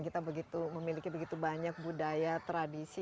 kita begitu memiliki begitu banyak budaya tradisi